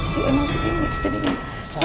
tidak tidak tidak tidak